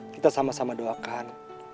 kita sama sama doakan